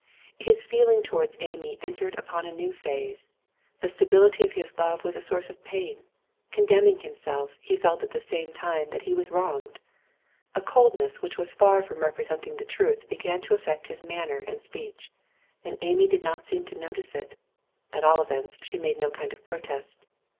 His feeling towards Amy entered upon a new phase. The stability of his love was a source of pain; condemning himself, he felt at the same time that he was wronged. A coldness which was far from representing the truth began to affect his manner and speech, and Amy did not seem to notice it, at all events she made no kind of protest.